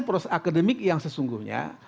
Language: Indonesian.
proses akademik yang sesungguhnya